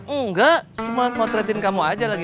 engga cuma motretin kamu aja lagi